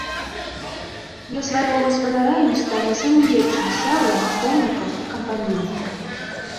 Для свайго гаспадара ён стане самым лепшым сябрам, ахоўнікам і кампаньёнам!